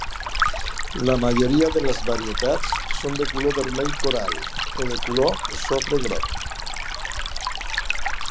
La majoria de les varietats són de color vermell coral o de color sofre groc.